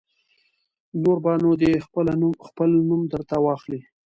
نور به نو دی خپله خپل نوم در ته واخلي.